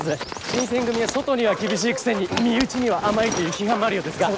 新選組は外には厳しいくせに身内には甘いという批判もあるようですが。